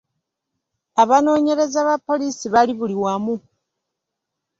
Abanoonyereza ba poliisi bali buli wamu.